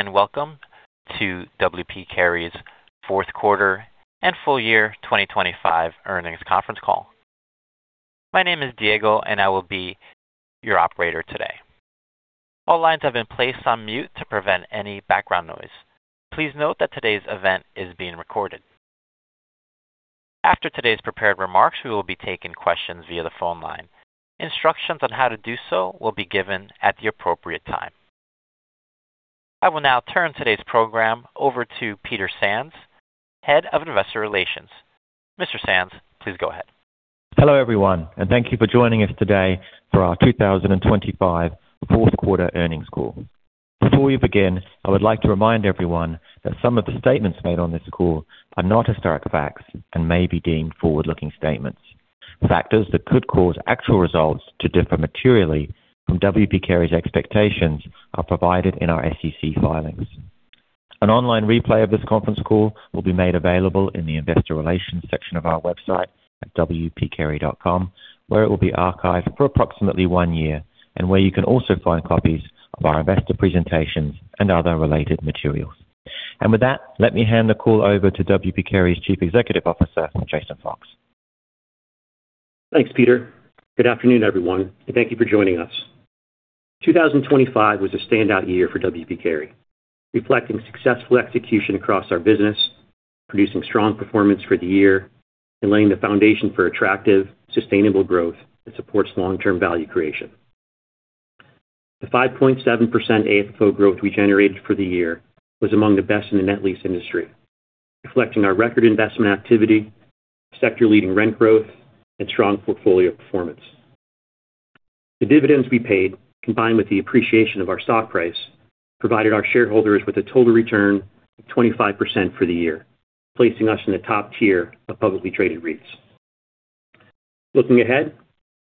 Hello and welcome to W. P. Carey's fourth quarter and full year 2025 earnings conference call. My name is Diego and I will be your operator today. All lines have been placed on mute to prevent any background noise. Please note that today's event is being recorded. After today's prepared remarks we will be taking questions via the phone line. Instructions on how to do so will be given at the appropriate time. I will now turn today's program over to Peter Sands, Head of Investor Relations. Mr. Sands, please go ahead. Hello everyone and thank you for joining us today for our 2025 fourth quarter earnings call. Before we begin I would like to remind everyone that some of the statements made on this call are not historic facts and may be deemed forward-looking statements. Factors that could cause actual results to differ materially from W. P. Carey's expectations are provided in our SEC filings. An online replay of this conference call will be made available in the Investor Relations section of our website at wpcarey.com where it will be archived for approximately one year and where you can also find copies of our investor presentations and other related materials. With that let me hand the call over to W. P. Carey's Chief Executive Officer Jason Fox. Thanks, Peter. Good afternoon, everyone, and thank you for joining us. 2025 was a standout year for W. P. Carey, reflecting successful execution across our business, producing strong performance for the year and laying the foundation for attractive, sustainable growth that supports long-term value creation. The 5.7% AFFO growth we generated for the year was among the best in the net lease industry, reflecting our record investment activity, sector-leading rent growth, and strong portfolio performance. The dividends we paid, combined with the appreciation of our stock price, provided our shareholders with a total return of 25% for the year, placing us in the top tier of publicly traded REITs. Looking ahead,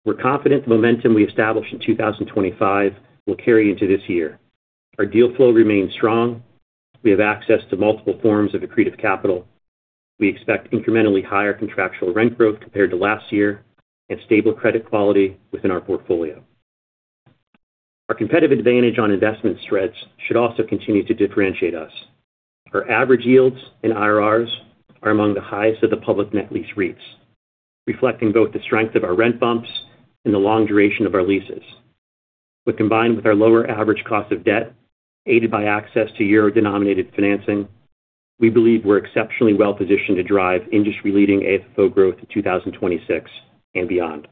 we're confident the momentum we established in 2025 will carry into this year. Our deal flow remains strong. We have access to multiple forms of accretive capital. We expect incrementally higher contractual rent growth compared to last year and stable credit quality within our portfolio. Our competitive advantage on investment spreads should also continue to differentiate us. Our average yields and IRRs are among the highest of the public net lease REITs, reflecting both the strength of our rent bumps and the long duration of our leases. When combined with our lower average cost of debt aided by access to Euro-denominated financing, we believe we're exceptionally well-positioned to drive industry-leading AFFO growth in 2026 and beyond.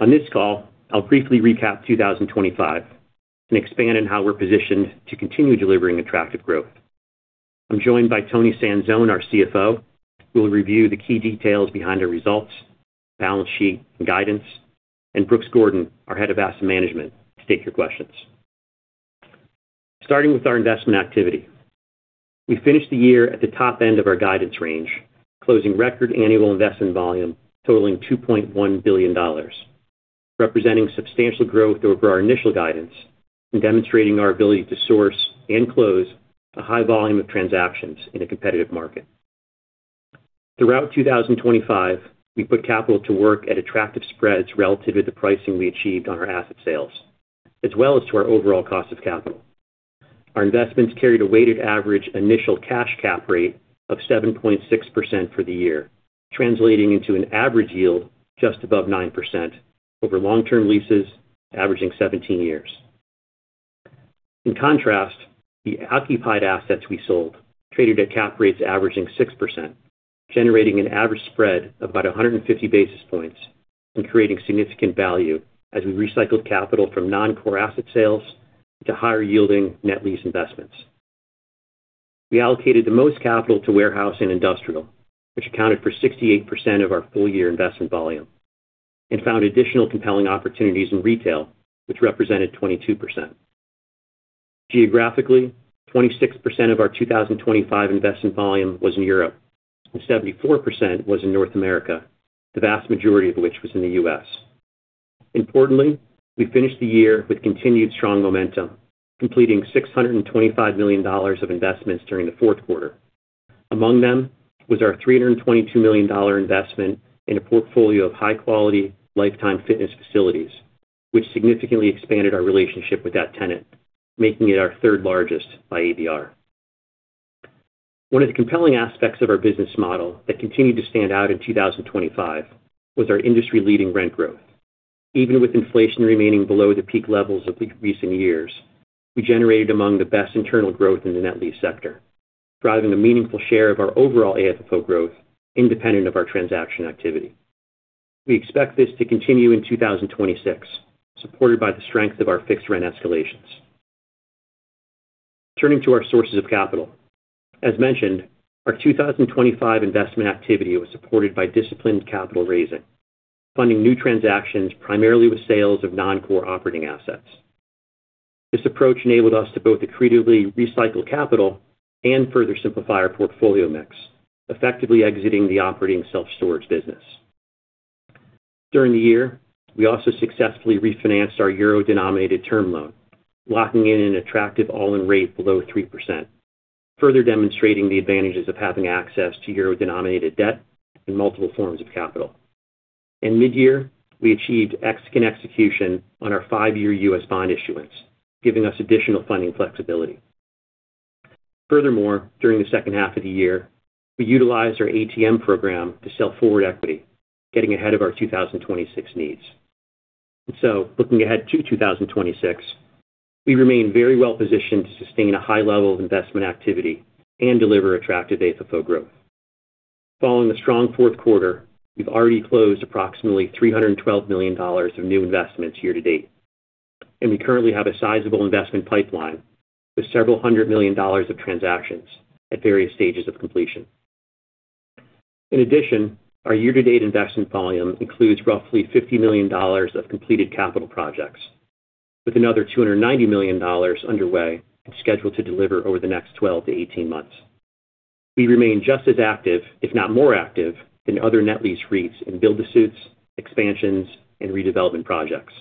On this call I'll briefly recap 2025 and expand on how we're positioned to continue delivering attractive growth. I'm joined by Toni Sanzone, our CFO, who will review the key details behind our results, balance sheet, and guidance, and Brooks Gordon, our Head of Asset Management, to take your questions. Starting with our investment activity. We finished the year at the top end of our guidance range closing record annual investment volume totaling $2.1 billion representing substantial growth over our initial guidance and demonstrating our ability to source and close a high volume of transactions in a competitive market. Throughout 2025 we put capital to work at attractive spreads relative to the pricing we achieved on our asset sales as well as to our overall cost of capital. Our investments carried a weighted average initial cash cap rate of 7.6% for the year translating into an average yield just above 9% over long-term leases averaging 17 years. In contrast the occupied assets we sold traded at cap rates averaging 6% generating an average spread of about 150 basis points and creating significant value as we recycled capital from non-core asset sales to higher yielding net lease investments. We allocated the most capital to warehouse and industrial, which accounted for 68% of our full-year investment volume and found additional compelling opportunities in retail, which represented 22%. Geographically, 26% of our 2025 investment volume was in Europe and 74% was in North America, the vast majority of which was in the U.S. Importantly, we finished the year with continued strong momentum, completing $625 million of investments during the fourth quarter. Among them was our $322 million investment in a portfolio of high-quality Life Time Fitness facilities, which significantly expanded our relationship with that tenant, making it our third largest by ABR. One of the compelling aspects of our business model that continued to stand out in 2025 was our industry-leading rent growth. Even with inflation remaining below the peak levels of recent years, we generated among the best internal growth in the net lease sector, driving a meaningful share of our overall AFFO growth independent of our transaction activity. We expect this to continue in 2026, supported by the strength of our fixed rent escalations. Turning to our sources of capital. As mentioned, our 2025 investment activity was supported by disciplined capital raising, funding new transactions primarily with sales of non-core operating assets. This approach enabled us to both accretively recycle capital and further simplify our portfolio mix, effectively exiting the operating self-storage business. During the year, we also successfully refinanced our Euro-denominated term loan, locking in an attractive all-in rate below 3%, further demonstrating the advantages of having access to Euro-denominated debt and multiple forms of capital. In mid-year we achieved excellent execution on our five-year U.S. bond issuance giving us additional funding flexibility. Furthermore during the second half of the year we utilized our ATM program to sell forward equity getting ahead of our 2026 needs. And so looking ahead to 2026 we remain very well-positioned to sustain a high level of investment activity and deliver attractive AFFO growth. Following the strong fourth quarter we've already closed approximately $312 million of new investments year to date and we currently have a sizable investment pipeline with several hundred million dollars of transactions at various stages of completion. In addition our year-to-date investment volume includes roughly $50 million of completed capital projects with another $290 million underway and scheduled to deliver over the next 12-18 months. We remain just as active if not more active than other net lease REITs in build-to-suit, expansions, and redevelopment projects.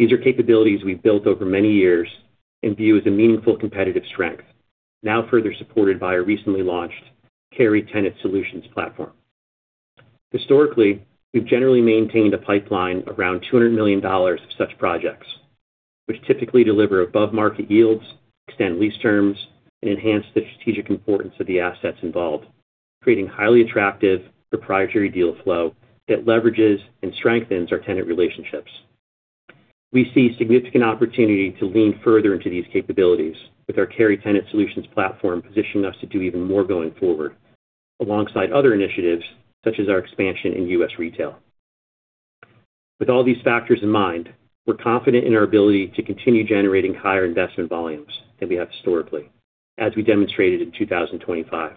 These are capabilities we've built over many years and view as a meaningful competitive strength now further supported by our recently launched Carey Tenant Solutions platform. Historically we've generally maintained a pipeline around $200 million of such projects which typically deliver above-market yields, extend lease terms and enhance the strategic importance of the assets involved, creating highly attractive proprietary deal flow that leverages and strengthens our tenant relationships. We see significant opportunity to lean further into these capabilities with our Carey Tenant Solutions platform positioning us to do even more going forward alongside other initiatives such as our expansion in U.S. retail. With all these factors in mind we're confident in our ability to continue generating higher investment volumes than we have historically as we demonstrated in 2025.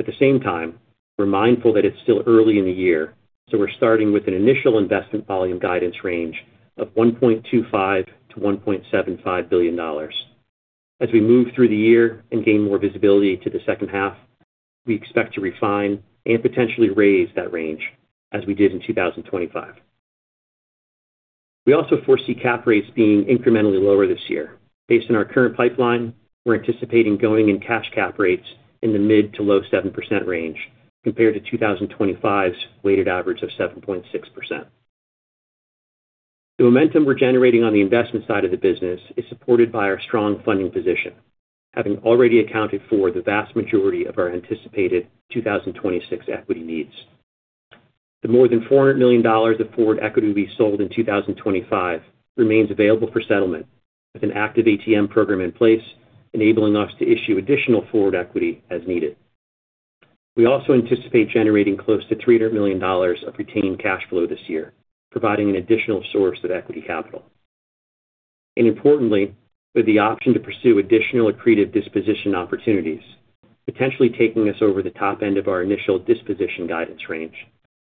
At the same time we're mindful that it's still early in the year, so we're starting with an initial investment volume guidance range of $1.25 billion-$1.75 billion. As we move through the year and gain more visibility to the second half, we expect to refine and potentially raise that range as we did in 2025. We also foresee cap rates being incrementally lower this year. Based on our current pipeline we're anticipating going-in cap rates in the mid- to low-7% range compared to 2025's weighted average of 7.6%. The momentum we're generating on the investment side of the business is supported by our strong funding position having already accounted for the vast majority of our anticipated 2026 equity needs. The more than $400 million of forward equity we sold in 2025 remains available for settlement with an active ATM program in place enabling us to issue additional forward equity as needed. We also anticipate generating close to $300 million of retained cash flow this year providing an additional source of equity capital. Importantly, with the option to pursue additional accretive disposition opportunities potentially taking us over the top end of our initial disposition guidance range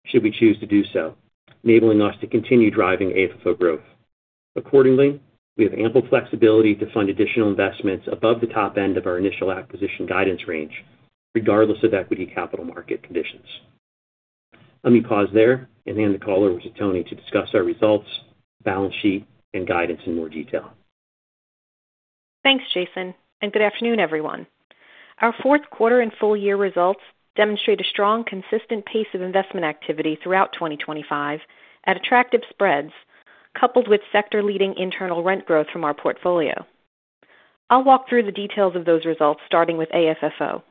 should we choose to do so enabling us to continue driving AFFO growth. Accordingly, we have ample flexibility to fund additional investments above the top end of our initial acquisition guidance range regardless of equity capital market conditions. Let me pause there and hand the caller over to Toni to discuss our results, balance sheet, and guidance in more detail. Thanks Jason and good afternoon everyone. Our fourth quarter and full year results demonstrate a strong, consistent pace of investment activity throughout 2025 at attractive spreads coupled with sector-leading internal rent growth from our portfolio. I'll walk through the details of those results starting with AFFO.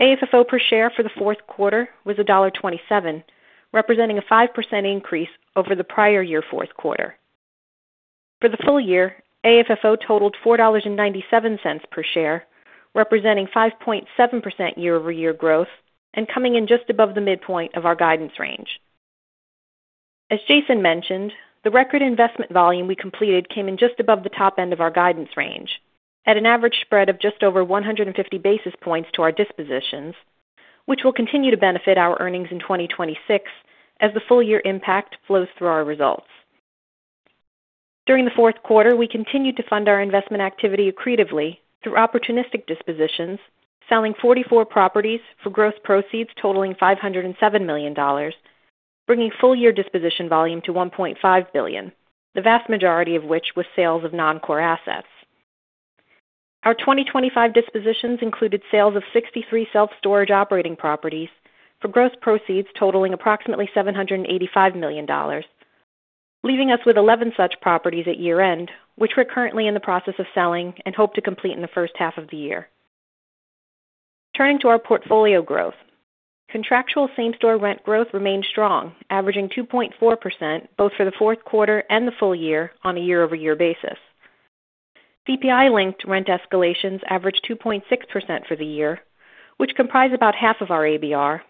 AFFO per share for the fourth quarter was $1.27, representing a 5% increase over the prior year fourth quarter. For the full year AFFO totaled $4.97 per share, representing 5.7% year-over-year growth and coming in just above the midpoint of our guidance range. As Jason mentioned, the record investment volume we completed came in just above the top end of our guidance range at an average spread of just over 150 basis points to our dispositions, which will continue to benefit our earnings in 2026 as the full year impact flows through our results. During the fourth quarter we continued to fund our investment activity accretively through opportunistic dispositions selling 44 properties for gross proceeds totaling $507 million bringing full year disposition volume to $1.5 billion the vast majority of which was sales of non-core assets. Our 2025 dispositions included sales of 63 self-storage operating properties for gross proceeds totaling approximately $785 million leaving us with 11 such properties at year-end which we're currently in the process of selling and hope to complete in the first half of the year. Turning to our portfolio growth. Contractual same-store rent growth remained strong averaging 2.4% both for the fourth quarter and the full year on a year-over-year basis. CPI-linked rent escalations averaged 2.6% for the year which comprised about half of our ABR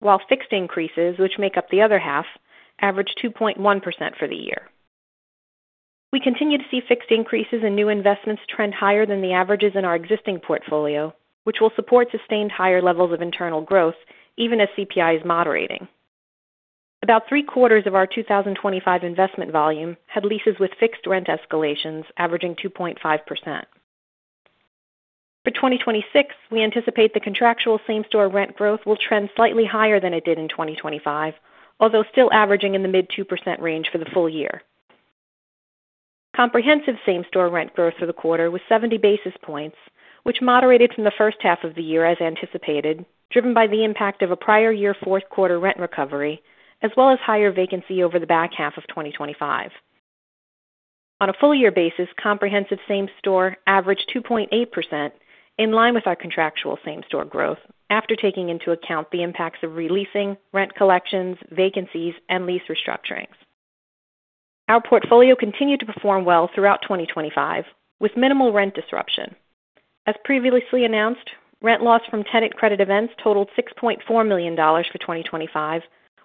while fixed increases which make up the other half averaged 2.1% for the year. We continue to see fixed increases in new investments trend higher than the averages in our existing portfolio which will support sustained higher levels of internal growth even as CPI is moderating. About 3/4 of our 2025 investment volume had leases with fixed rent escalations averaging 2.5%. For 2026 we anticipate the contractual same-store rent growth will trend slightly higher than it did in 2025 although still averaging in the mid-2% range for the full year. Comprehensive same-store rent growth for the quarter was 70 basis points which moderated from the first half of the year as anticipated driven by the impact of a prior year fourth quarter rent recovery as well as higher vacancy over the back half of 2025. On a full year basis, comprehensive same-store averaged 2.8% in line with our contractual same-store growth after taking into account the impacts of re-leasing, rent collections, vacancies, and lease restructurings. Our portfolio continued to perform well throughout 2025 with minimal rent disruption. As previously announced, rent loss from tenant credit events totaled $6.4 million for 2025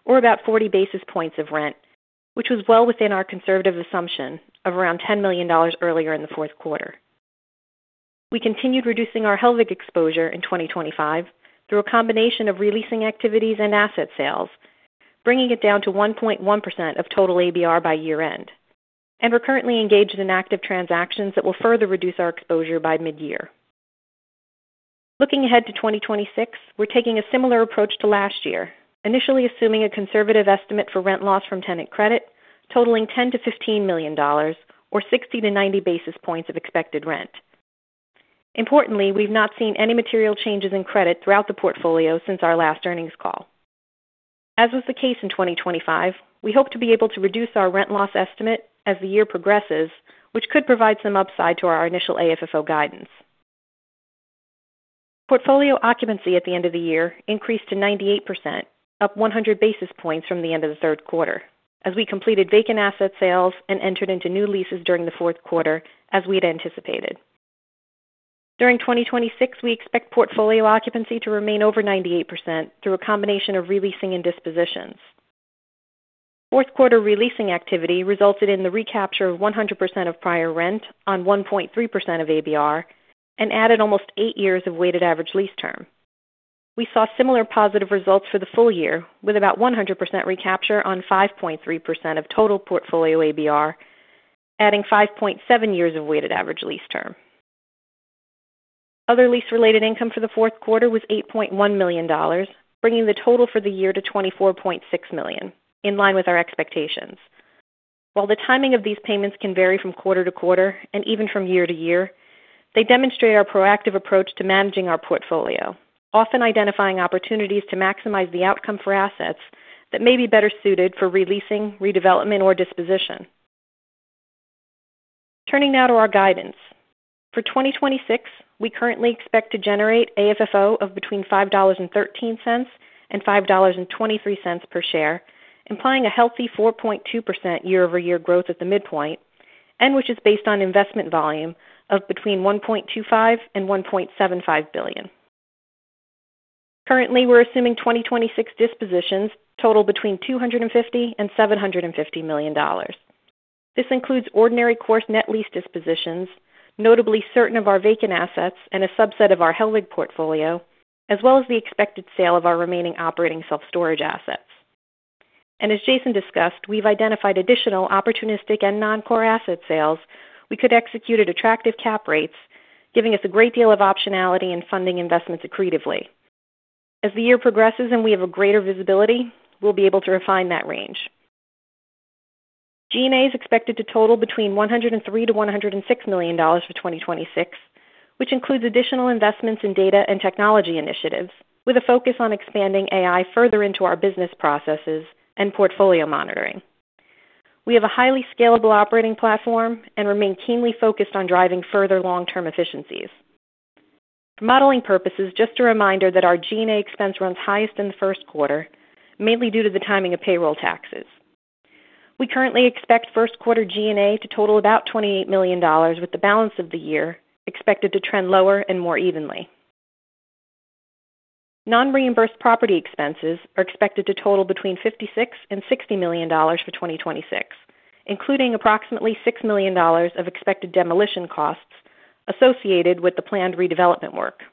or about 40 basis points of rent, which was well within our conservative assumption of around $10 million earlier in the fourth quarter. We continued reducing our Hellweg Exposure in 2025 through a combination of re-leasing activities and asset sales, bringing it down to 1.1% of total ABR by year-end, and we're currently engaged in active transactions that will further reduce our exposure by mid-year. Looking ahead to 2026, we're taking a similar approach to last year, initially assuming a conservative estimate for rent loss from tenant credit totaling $10 million-$15 million or 60 basis points-90 basis points of expected rent. Importantly, we've not seen any material changes in credit throughout the portfolio since our last earnings call. As was the case in 2025, we hope to be able to reduce our rent loss estimate as the year progresses, which could provide some upside to our initial AFFO guidance. Portfolio occupancy at the end of the year increased to 98%, up 100 basis points from the end of the third quarter, as we completed vacant asset sales and entered into new leases during the fourth quarter, as we had anticipated. During 2026, we expect portfolio occupancy to remain over 98% through a combination of re-leasing and dispositions. Fourth quarter re-leasing activity resulted in the recapture of 100% of prior rent on 1.3% of ABR and added almost eight years of weighted average lease term. We saw similar positive results for the full year with about 100% recapture on 5.3% of total portfolio ABR adding 5.7 years of weighted average lease term. Other lease-related income for the fourth quarter was $8.1 million, bringing the total for the year to $24.6 million in line with our expectations. While the timing of these payments can vary from quarter to quarter and even from year-to-year, they demonstrate our proactive approach to managing our portfolio, often identifying opportunities to maximize the outcome for assets that may be better suited for re-leasing, redevelopment, or disposition. Turning now to our guidance. For 2026 we currently expect to generate AFFO of between $5.13-$5.23 per share implying a healthy 4.2% year-over-year growth at the midpoint and which is based on investment volume of between $1.25 billion-$1.75 billion. Currently we're assuming 2026 dispositions total between $250 million-$750 million. This includes ordinary course net lease dispositions notably certain of our vacant assets and a subset of our Hellweg portfolio as well as the expected sale of our remaining operating self-storage assets. As Jason discussed we've identified additional opportunistic and non-core asset sales we could execute at attractive cap rates giving us a great deal of optionality in funding investments accretively. As the year progresses and we have a greater visibility we'll be able to refine that range. G&A is expected to total between $103 million-$106 million for 2026 which includes additional investments in data and technology initiatives with a focus on expanding AI further into our business processes and portfolio monitoring. We have a highly scalable operating platform and remain keenly focused on driving further long-term efficiencies. For modeling purposes just a reminder that our G&A expense runs highest in the first quarter mainly due to the timing of payroll taxes. We currently expect first quarter G&A to total about $28 million with the balance of the year expected to trend lower and more evenly. Non-reimbursed property expenses are expected to total between $56 million and $60 million for 2026 including approximately $6 million of expected demolition costs associated with the planned redevelopment work.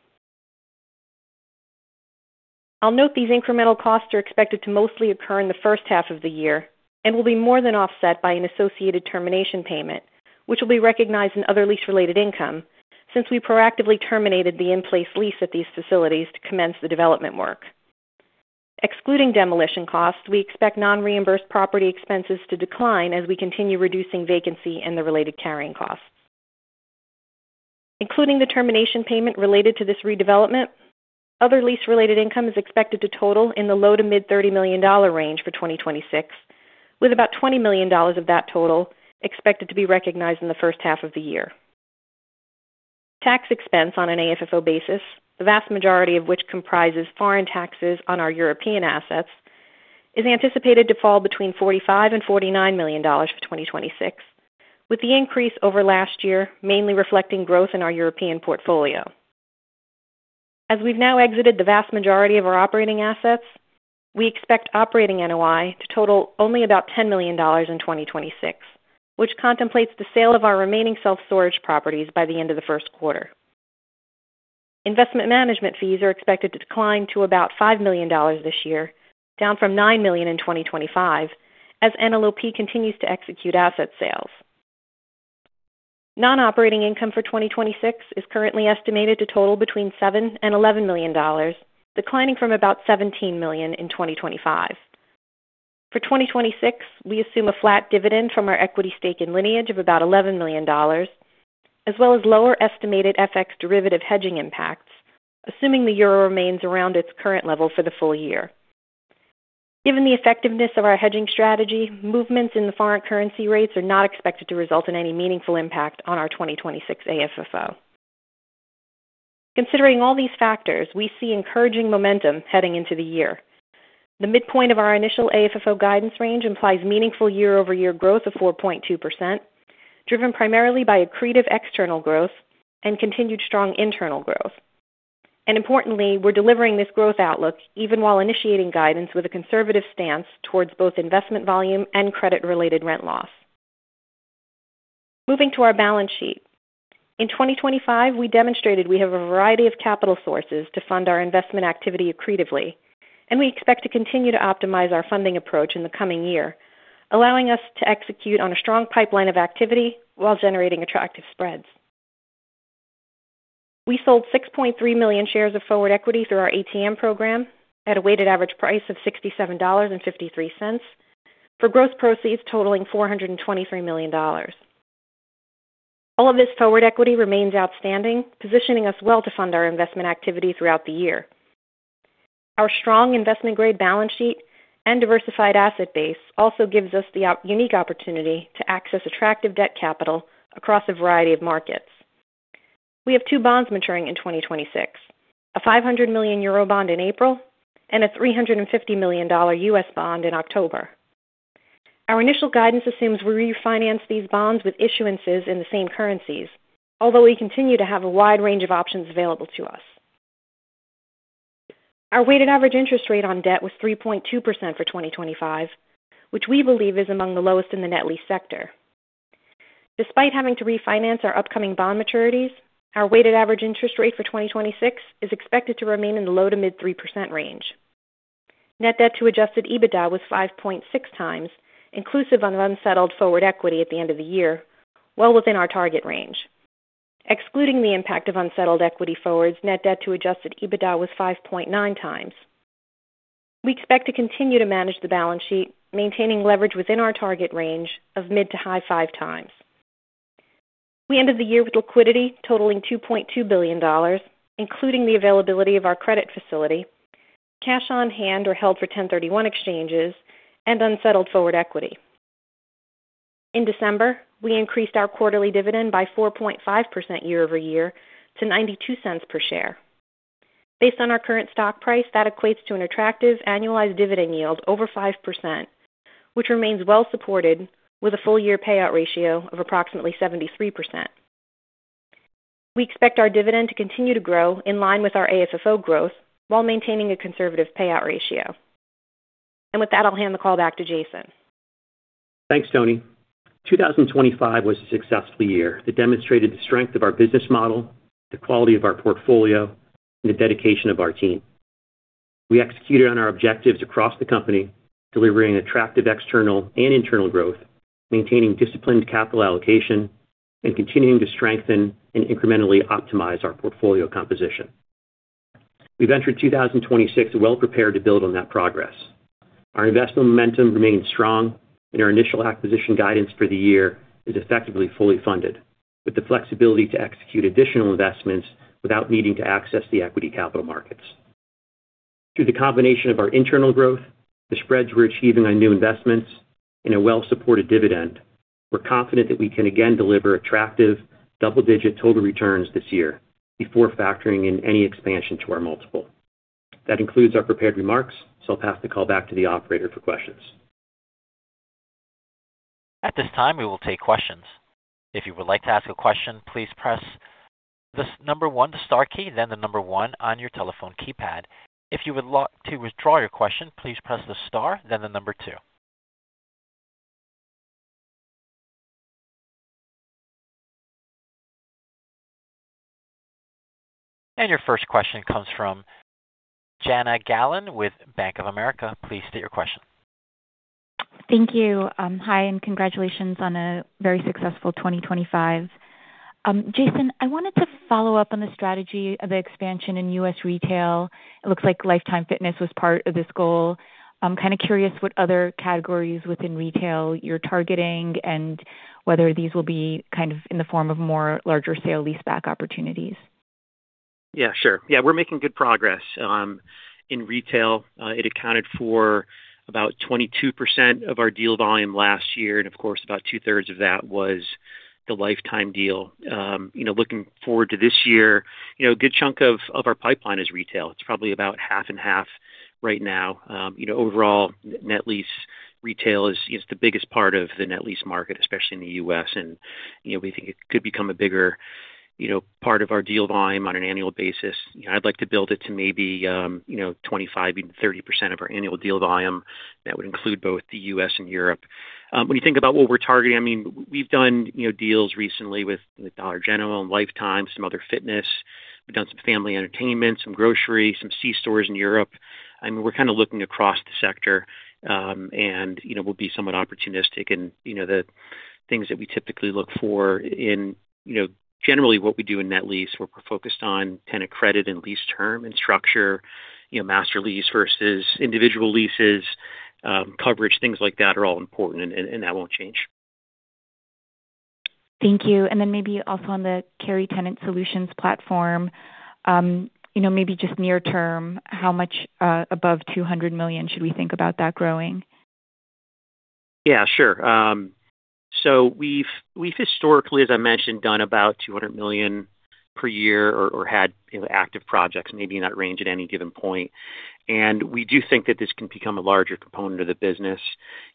I'll note these incremental costs are expected to mostly occur in the first half of the year and will be more than offset by an associated termination payment which will be recognized in other lease-related income since we proactively terminated the in-place lease at these facilities to commence the development work. Excluding demolition costs, we expect non-reimbursed property expenses to decline as we continue reducing vacancy and the related carrying costs. Including the termination payment related to this redevelopment, other lease-related income is expected to total in the low- to mid-$30 million range for 2026 with about $20 million of that total expected to be recognized in the first half of the year. Tax expense on an AFFO basis, the vast majority of which comprises foreign taxes on our European assets, is anticipated to fall between $45 million-$49 million for 2026, with the increase over last year mainly reflecting growth in our European portfolio. As we've now exited the vast majority of our operating assets, we expect operating NOI to total only about $10 million in 2026, which contemplates the sale of our remaining self-storage properties by the end of the first quarter. Investment management fees are expected to decline to about $5 million this year, down from $9 million in 2025, as NLOP continues to execute asset sales. Non-operating income for 2026 is currently estimated to total between $7 million-$11 million, declining from about $17 million in 2025. For 2026 we assume a flat dividend from our equity stake in Lineage of about $11 million as well as lower estimated FX derivative hedging impacts assuming the Euro remains around its current level for the full year. Given the effectiveness of our hedging strategy movements in the foreign currency rates are not expected to result in any meaningful impact on our 2026 AFFO. Considering all these factors we see encouraging momentum heading into the year. The midpoint of our initial AFFO guidance range implies meaningful year-over-year growth of 4.2% driven primarily by accretive external growth and continued strong internal growth. And importantly we're delivering this growth outlook even while initiating guidance with a conservative stance towards both investment volume and credit-related rent loss. Moving to our balance sheet. In 2025 we demonstrated we have a variety of capital sources to fund our investment activity accretively and we expect to continue to optimize our funding approach in the coming year allowing us to execute on a strong pipeline of activity while generating attractive spreads. We sold 6.3 million shares of forward equity through our ATM program at a weighted average price of $67.53 for gross proceeds totaling $423 million. All of this forward equity remains outstanding, positioning us well to fund our investment activity throughout the year. Our strong investment-grade balance sheet and diversified asset base also gives us the unique opportunity to access attractive debt capital across a variety of markets. We have two bonds maturing in 2026, a $500 million Eurobond in April and a $350 million U.S. bond in October. Our initial guidance assumes we refinance these bonds with issuances in the same currencies, although we continue to have a wide range of options available to us. Our weighted average interest rate on debt was 3.2% for 2025, which we believe is among the lowest in the net lease sector. Despite having to refinance our upcoming bond maturities, our weighted average interest rate for 2026 is expected to remain in the low- to mid-3% range. Net debt to Adjusted EBITDA was 5.6x inclusive of unsettled forward equity at the end of the year, well within our target range. Excluding the impact of unsettled equity forwards, net debt to Adjusted EBITDA was 5.9xs. We expect to continue to manage the balance sheet, maintaining leverage within our target range of mid- to high-5x. We ended the year with liquidity totaling $2.2 billion, including the availability of our credit facility, cash on hand or held for 1031 exchanges, and unsettled forward equity. In December, we increased our quarterly dividend by 4.5% year-over-year to $0.92 per share. Based on our current stock price, that equates to an attractive annualized dividend yield over 5%, which remains well supported with a full-year payout ratio of approximately 73%. We expect our dividend to continue to grow in line with our AFFO growth while maintaining a conservative payout ratio. And with that, I'll hand the call back to Jason. Thanks, Toni. 2025 was a successful year that demonstrated the strength of our business model, the quality of our portfolio, and the dedication of our team. We executed on our objectives across the company, delivering attractive external and internal growth, maintaining disciplined capital allocation, and continuing to strengthen and incrementally optimize our portfolio composition. We've entered 2026 well prepared to build on that progress. Our investment momentum remains strong, and our initial acquisition guidance for the year is effectively fully funded with the flexibility to execute additional investments without needing to access the equity capital markets. Through the combination of our internal growth, the spreads we're achieving on new investments, and a well-supported dividend, we're confident that we can again deliver attractive double-digit total returns this year before factoring in any expansion to our multiple. That includes our prepared remarks so I'll pass the call back to the operator for questions. At this time we will take questions. If you would like to ask a question please press the number one star key then the number one on your telephone keypad. If you would like to withdraw your question please press the star then the number two. And your first question comes from Jana Galan with Bank of America. Please state your question. Thank you. Hi, and congratulations on a very successful 2025. Jason, I wanted to follow up on the strategy of expansion in U.S. retail. It looks like Life Time was part of this goal. I'm kind of curious what other categories within retail you're targeting and whether these will be kind of in the form of more larger sale-leaseback opportunities. Yeah, sure. Yeah, we're making good progress in retail. It accounted for about 22% of our deal volume last year and of course about 2/3 of that was the Life Time deal. Looking forward to this year, a good chunk of our pipeline is retail. It's probably about 50/50 right now. Overall net lease retail is the biggest part of the net lease market especially in the U.S. and we think it could become a bigger part of our deal volume on an annual basis. I'd like to build it to maybe 25%-30% of our annual deal volume that would include both the U.S. and Europe. When you think about what we're targeting I mean we've done deals recently with Dollar General and Life Time some other fitness we've done some family entertainment some grocery some C-stores in Europe. I mean, we're kind of looking across the sector, and we'll be somewhat opportunistic, and the things that we typically look for in generally what we do in net lease, we're focused on tenant credit and lease term and structure. Master lease versus individual leases, coverage, things like that are all important, and that won't change. Thank you. Then maybe also on the Carey Tenant Solutions platform maybe just near term how much above $200 million should we think about that growing? Yeah, sure. So we've historically, as I mentioned, done about $200 million per year or had active projects maybe in that range at any given point. We do think that this can become a larger component of the business.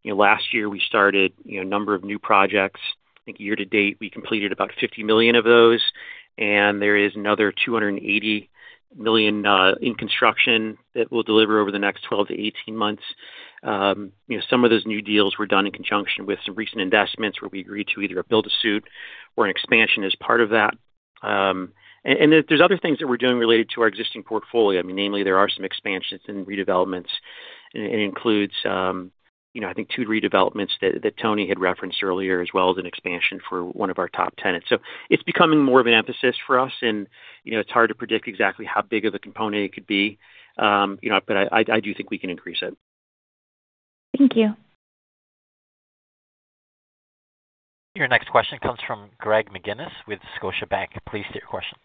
Last year we started a number of new projects. I think year to date we completed about $50 million of those and there is another $280 million in construction that we'll deliver over the next 12-18 months. Some of those new deals were done in conjunction with some recent investments where we agreed to either a build-to-suit or an expansion as part of that. There's other things that we're doing related to our existing portfolio. I mean, namely there are some expansions and redevelopments and it includes I think two redevelopments that Toni had referenced earlier as well as an expansion for one of our top tenants. So it's becoming more of an emphasis for us and it's hard to predict exactly how big of a component it could be but I do think we can increase it. Thank you. Your next question comes from Greg McGinniss with Scotiabank. Please state your question.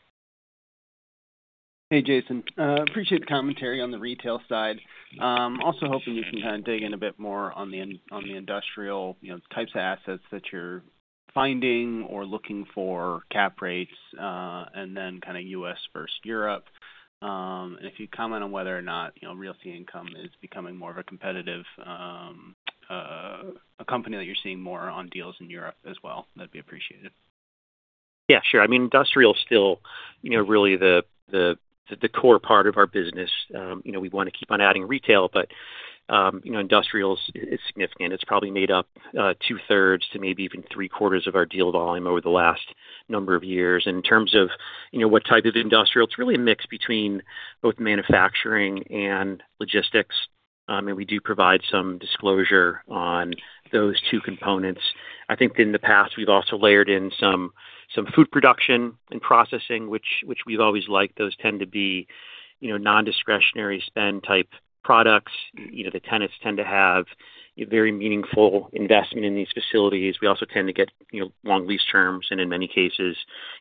Hey Jason. Appreciate the commentary on the retail side. Also hoping you can kind of dig in a bit more on the industrial types of assets that you're finding or looking for cap rates and then kind of U.S. versus Europe. And if you comment on whether or not Realty Income is becoming more of a competitive company that you're seeing more on deals in Europe as well that'd be appreciated. Yeah, sure. I mean, industrial's still really the core part of our business. We want to keep on adding retail, but industrial's significant. It's probably made up 2/3 to maybe even 3/4 of our deal volume over the last number of years. In terms of what type of industrial, it's really a mix between both manufacturing and logistics. I mean, we do provide some disclosure on those two components. I think in the past we've also layered in some food production and processing, which we've always liked. Those tend to be non-discretionary spend type products. The tenants tend to have very meaningful investment in these facilities. We also tend to get long lease terms and, in many cases,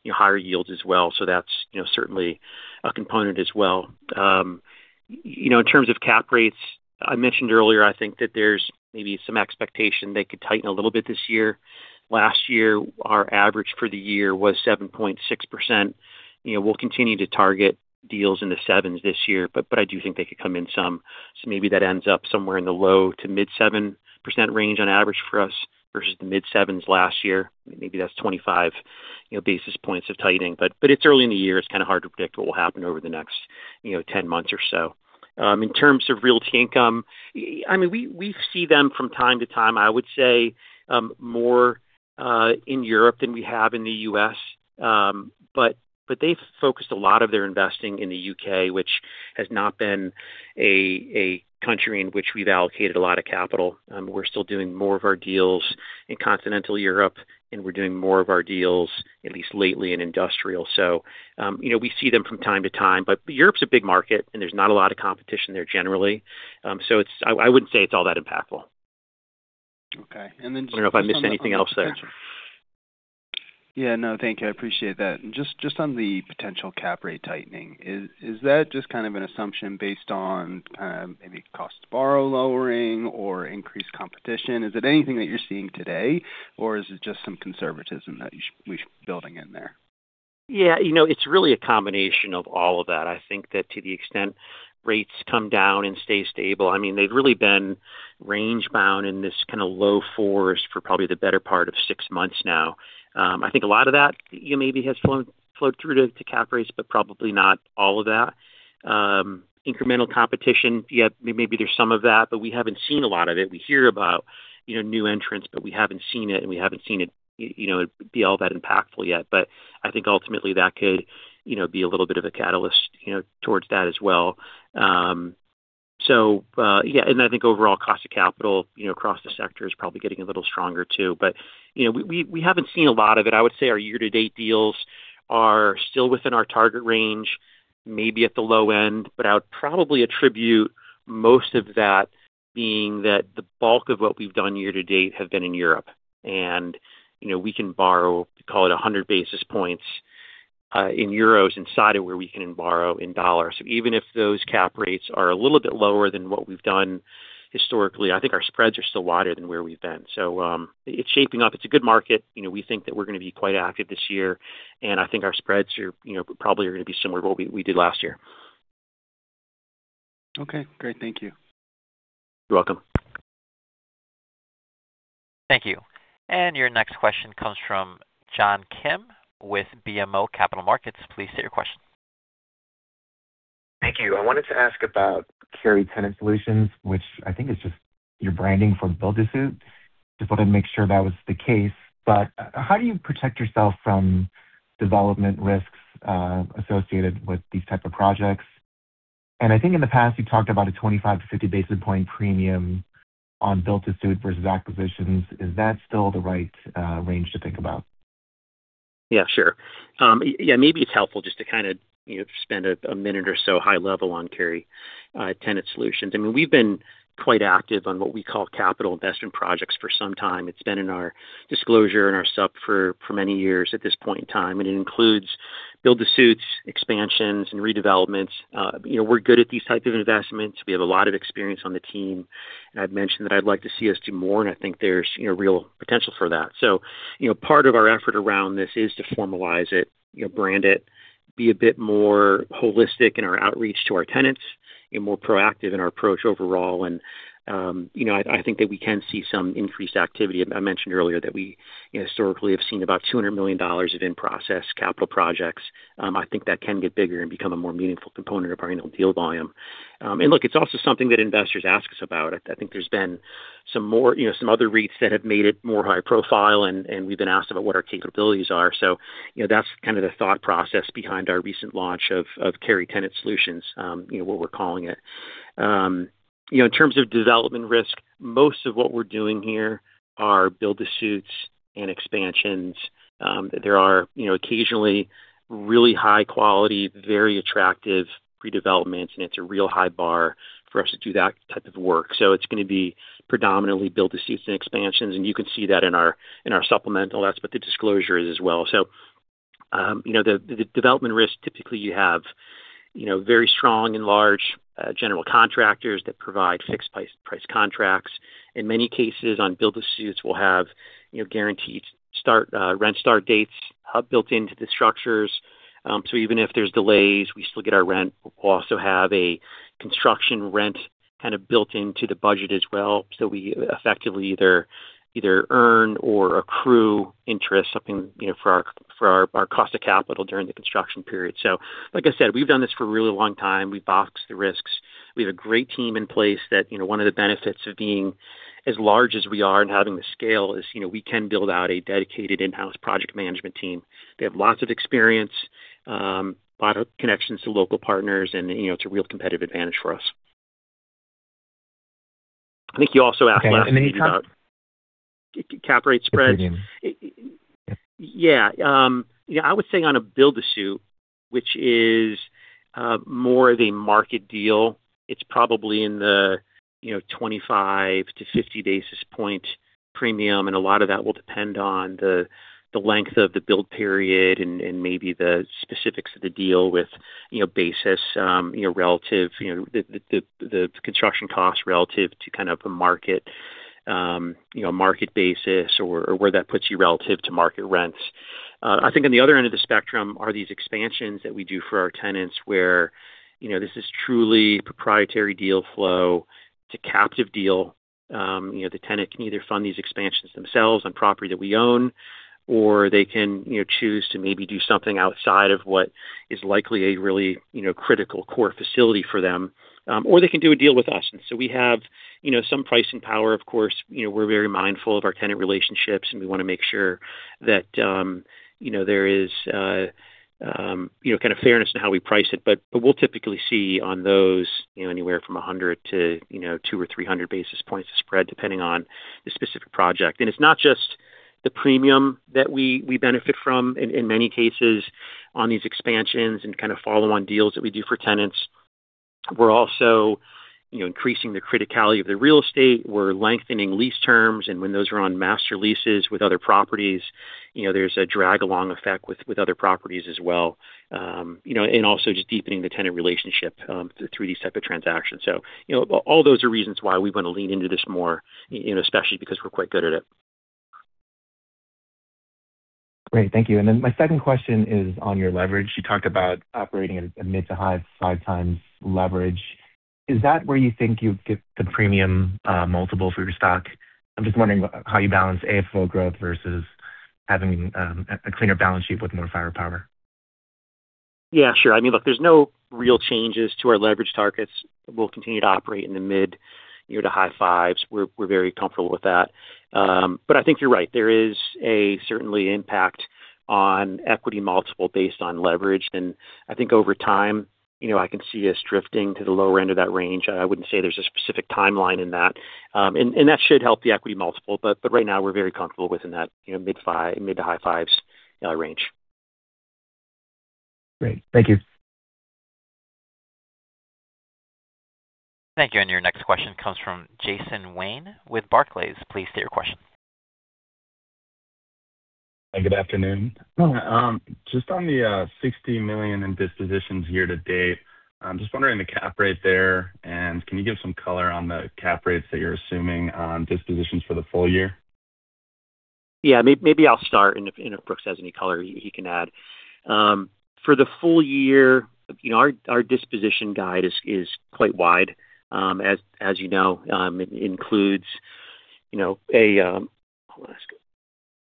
higher yields as well. So that's certainly a component as well. In terms of cap rates I mentioned earlier, I think that there's maybe some expectation they could tighten a little bit this year. Last year our average for the year was 7.6%. We'll continue to target deals in the 7s this year but I do think they could come in some. So maybe that ends up somewhere in the low- to mid-7% range on average for us versus the mid-7%s last year. Maybe that's 25 basis points of tightening but it's early in the year it's kind of hard to predict what will happen over the next 10 months or so. In terms of real estate income I mean we see them from time to time I would say more in Europe than we have in the U.S. But they've focused a lot of their investing in the U.K. which has not been a country in which we've allocated a lot of capital. We're still doing more of our deals in continental Europe and we're doing more of our deals at least lately in industrial. So we see them from time to time but Europe's a big market and there's not a lot of competition there generally. So I wouldn't say it's all that impactful. Okay. And then. I don't know if I missed anything else there. Yeah no thank you. I appreciate that. Just on the potential cap rate tightening is that just kind of an assumption based on kind of maybe cost to borrow lowering or increased competition? Is it anything that you're seeing today or is it just some conservatism that we're building in there? Yeah, it's really a combination of all of that. I think that to the extent rates come down and stay stable, I mean, they've really been range-bound in this kind of low fours for probably the better part of six months now. I think a lot of that maybe has flowed through to cap rates but probably not all of that. Incremental competition, yeah, maybe there's some of that but we haven't seen a lot of it. We hear about new entrants but we haven't seen it and we haven't seen it be all that impactful yet. But I think ultimately that could be a little bit of a catalyst towards that as well. So yeah and I think overall cost of capital across the sector is probably getting a little stronger too. But we haven't seen a lot of it. I would say our year-to-date deals are still within our target range maybe at the low end but I would probably attribute most of that being that the bulk of what we've done year to date have been in Europe. And we can borrow call it 100 basis points in Euros inside of where we can borrow in dollars. So even if those cap rates are a little bit lower than what we've done historically I think our spreads are still wider than where we've been. So it's shaping up. It's a good market. We think that we're going to be quite active this year and I think our spreads are probably going to be similar to what we did last year. Okay great. Thank you. You're welcome. Thank you. And your next question comes from John Kim with BMO Capital Markets. Please state your question. Thank you. I wanted to ask about Carey Tenant Solutions which I think is just your branding for build-to-suit. Just wanted to make sure that was the case. But how do you protect yourself from development risks associated with these type of projects? And I think in the past you've talked about a 25 basis points-50 basis point premium on built-to-suit versus acquisitions. Is that still the right range to think about? Yeah, sure. Yeah, maybe it's helpful just to kind of spend a minute or so high level on Carey Tenant Solutions. I mean, we've been quite active on what we call capital investment projects for some time. It's been in our disclosure and our [SUP] for many years at this point in time, and it includes build-to-suits, expansions, and redevelopments. We're good at these types of investments. We have a lot of experience on the team, and I've mentioned that I'd like to see us do more, and I think there's real potential for that. So, part of our effort around this is to formalize it, brand it, be a bit more holistic in our outreach to our tenants, more proactive in our approach overall. And I think that we can see some increased activity. I mentioned earlier that we historically have seen about $200 million of in-process capital projects. I think that can get bigger and become a more meaningful component of our annual deal volume. Look, it's also something that investors ask us about. I think there's been some more some other REITs that have made it more high profile and we've been asked about what our capabilities are. So that's kind of the thought process behind our recent launch of Carey Tenant Solutions, what we're calling it. In terms of development risk, most of what we're doing here are build-to-suits and expansions. There are occasionally really high quality very attractive pre-developments and it's a real high bar for us to do that type of work. So it's going to be predominantly build-to-suits and expansions and you can see that in our supplemental. That's what the disclosure is as well. So the development risk typically you have very strong and large general contractors that provide fixed price contracts. In many cases on build-to-suits we'll have guaranteed rent start dates built into the structures. So even if there's delays we still get our rent. We'll also have a construction rent kind of built into the budget as well. So we effectively either earn or accrue interest something for our cost of capital during the construction period. So like I said we've done this for a really long time. We've boxed the risks. We have a great team in place that one of the benefits of being as large as we are and having the scale is we can build out a dedicated in-house project management team. They have lots of experience, a lot of connections to local partners, and it's a real competitive advantage for us. I think you also asked last week about. Then you talked. Cap rate spreads. Pardon me. Yeah. I would say on a build-to-suit which is more of a market deal it's probably in the 25 basis points-50 basis point premium and a lot of that will depend on the length of the build period and maybe the specifics of the deal with basis relative the construction costs relative to kind of a market basis or where that puts you relative to market rents. I think on the other end of the spectrum are these expansions that we do for our tenants where this is truly proprietary deal flow to captive deal. The tenant can either fund these expansions themselves on property that we own or they can choose to maybe do something outside of what is likely a really critical core facility for them or they can do a deal with us. And so we have some pricing power of course. We're very mindful of our tenant relationships and we want to make sure that there is kind of fairness in how we price it. But we'll typically see on those anywhere from 100 basis points to 200 basis points or 300 basis points of spread depending on the specific project. And it's not just the premium that we benefit from in many cases on these expansions and kind of follow on deals that we do for tenants. We're also increasing the criticality of the real estate. We're lengthening lease terms and when those are on master leases with other properties there's a drag along effect with other properties as well. And also just deepening the tenant relationship through these type of transactions. So all those are reasons why we want to lean into this more especially because we're quite good at it. Great. Thank you. Then my second question is on your leverage. You talked about operating at a mid- to high-5x leverage. Is that where you think you'd get the premium multiple for your stock? I'm just wondering how you balance AFFO growth versus having a cleaner balance sheet with more firepower. Yeah, sure. I mean, look, there's no real changes to our leverage targets. We'll continue to operate in the mid- to high-5s. We're very comfortable with that. But I think you're right. There is a certain impact on equity multiple based on leverage, and I think over time I can see us drifting to the lower end of that range. I wouldn't say there's a specific timeline in that, and that should help the equity multiple. But right now we're very comfortable within that mid- to high-5s range. Great. Thank you. Thank you. Your next question comes from Jason Wayne with Barclays. Please state your question. Hi. Good afternoon. Just on the $60 million in dispositions year to date, I'm just wondering the cap rate there and can you give some color on the cap rates that you're assuming on dispositions for the full year? Yeah, maybe I'll start and if Brooks has any color he can add. For the full year our disposition guide is quite wide as you know. It includes—hold on a second.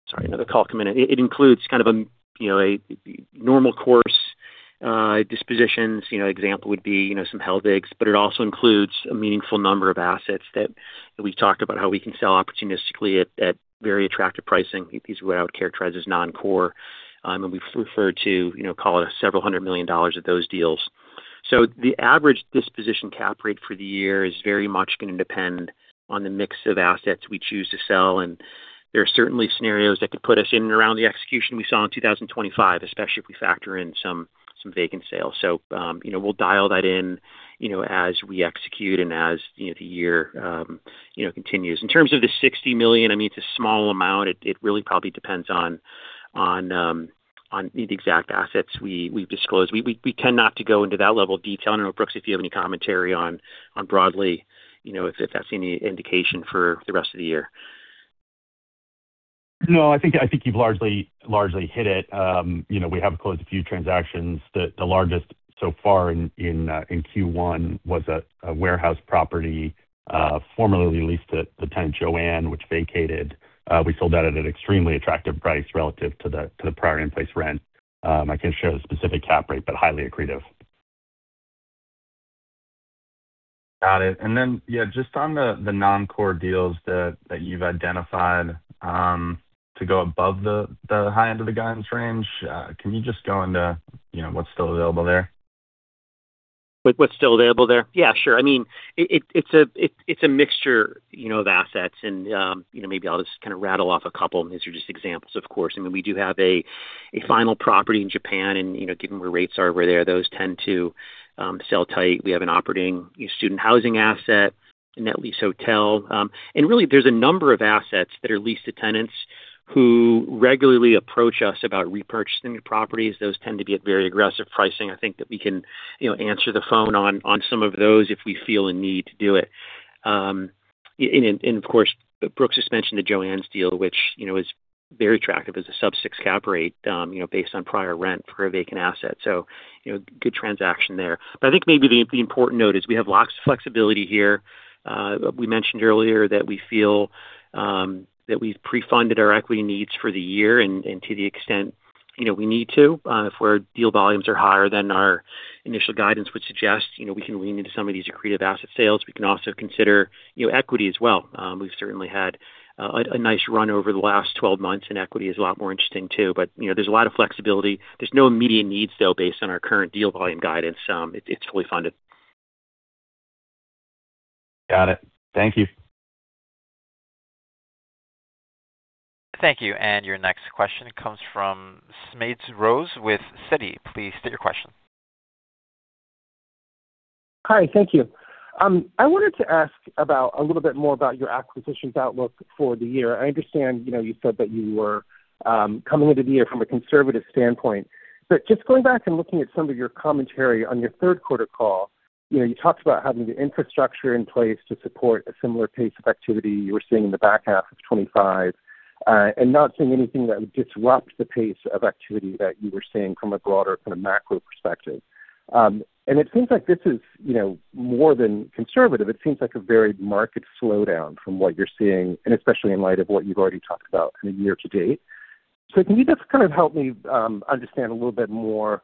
Sorry, another call came in. It includes kind of a normal course dispositions. Example would be some holdings but it also includes a meaningful number of assets that we've talked about how we can sell opportunistically at very attractive pricing. These are what I would characterize as non-core and we've referred to call it several hundred million dollars of those deals. So the average disposition cap rate for the year is very much going to depend on the mix of assets we choose to sell. There are certainly scenarios that could put us in and around the execution we saw in 2025 especially if we factor in some vacant sales. So we'll dial that in as we execute and as the year continues. In terms of the $60 million, I mean it's a small amount. It really probably depends on the exact assets we've disclosed. We tend not to go into that level of detail. I don't know, Brooks, if you have any commentary on, broadly, if that's any indication for the rest of the year. No, I think you've largely hit it. We have closed a few transactions. The largest so far in Q1 was a warehouse property formerly leased to the tenant JOANN which vacated. We sold that at an extremely attractive price relative to the prior in-place rent. I can't show the specific cap rate but highly accretive. Got it. And then yeah just on the non-core deals that you've identified to go above the high end of the guidance range can you just go into what's still available there? What's still available there? Yeah, sure. I mean it's a mixture of assets and maybe I'll just kind of rattle off a couple. These are just examples of course. I mean we do have a final property in Japan and given where rates are over there those tend to sell tight. We have an operating student housing asset and that leased hotel. And really there's a number of assets that are leased to tenants who regularly approach us about repurchasing the properties. Those tend to be at very aggressive pricing. I think that we can answer the phone on some of those if we feel a need to do it. And of course Brooks has mentioned the JOANN's deal which is very attractive as a sub-6 cap rate based on prior rent for a vacant asset. So good transaction there. But I think maybe the important note is we have lots of flexibility here. We mentioned earlier that we feel that we've pre-funded our equity needs for the year and to the extent we need to if our deal volumes are higher than our initial guidance would suggest we can lean into some of these accretive asset sales. We can also consider equity as well. We've certainly had a nice run over the last 12 months and equity is a lot more interesting too. But there's a lot of flexibility. There's no immediate needs though based on our current deal volume guidance. It's fully funded. Got it. Thank you. Thank you. Your next question comes from Smedes Rose with Citi. Please state your question. Hi. Thank you. I wanted to ask about a little bit more about your acquisitions outlook for the year. I understand you said that you were coming into the year from a conservative standpoint, but just going back and looking at some of your commentary on your third quarter call, you talked about having the infrastructure in place to support a similar pace of activity you were seeing in the back half of 2025 and not seeing anything that would disrupt the pace of activity that you were seeing from a broader kind of macro perspective. It seems like this is more than conservative. It seems like a very marked slowdown from what you're seeing and especially in light of what you've already talked about in a year to date. Can you just kind of help me understand a little bit more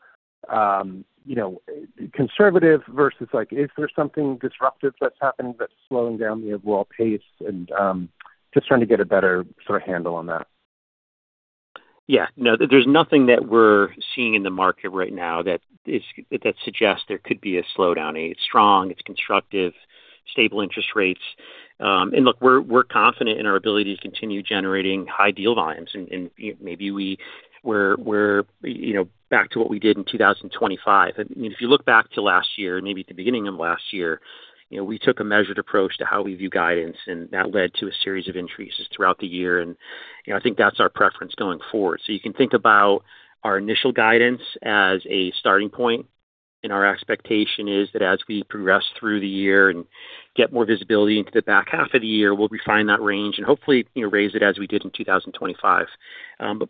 conservative versus is there something disruptive that's happening that's slowing down the overall pace, and just trying to get a better sort of handle on that? Yeah. No. There's nothing that we're seeing in the market right now that suggests there could be a slowdown. It's strong. It's constructive. Stable interest rates. And look, we're confident in our ability to continue generating high deal volumes and maybe we're back to what we did in 2025. I mean, if you look back to last year, maybe at the beginning of last year we took a measured approach to how we view guidance and that led to a series of increases throughout the year and I think that's our preference going forward. So you can think about our initial guidance as a starting point and our expectation is that as we progress through the year and get more visibility into the back half of the year we'll refine that range and hopefully raise it as we did in 2025.